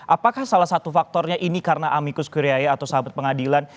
apakah salah satu faktornya ini karena amikus kurya atau sahabat pengadilan